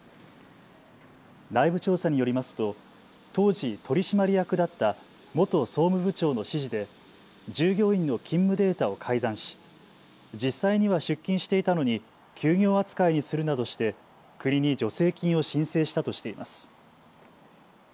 内部調査によりますと当時、取締役だった元総務部長の指示で従業員の勤務データを改ざんし、実際には出勤していたのに休業扱いにするなどして国に助成金を申請したとしています。